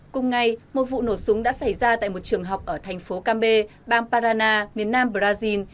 cùng ngày một vụ nổ súng đã xảy ra tại một trường học ở thành phố kambe bang parana miền nam brazil